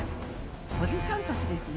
鳥さんたちですね。